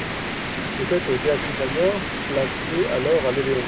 C'était au Théâtre-Italien, placé alors à l'Odéon.